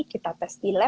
kita tes di lab